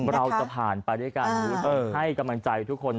เราจะผ่านไปด้วยกันให้กำลังใจทุกคน